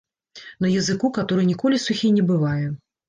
На языку, каторы ніколі сухі не бывае.